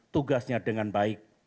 tugasnya dengan baik